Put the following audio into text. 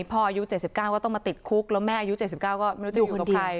อายุ๗๙ก็ต้องมาติดคุกแล้วแม่อายุ๗๙ก็ไม่รู้จะอยู่กับใคร